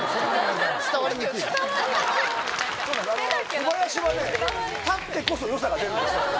小林はね立ってこそ良さが出るんですよ。